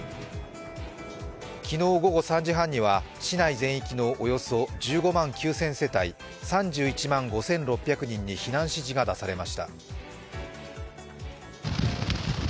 昨日午後３時半には市内全域のおよそ１５万９０００世帯、３１万５６００人に避難指示が出されました。